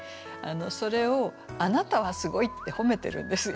それを「あなたはすごい」って褒めてるんですよ。